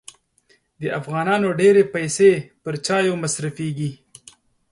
د افغانانو ډېري پیسې پر چایو مصرفېږي.